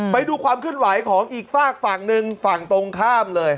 ไปดูความเคลื่อนไหวของอีกฝากฝั่งหนึ่งฝั่งตรงข้ามเลย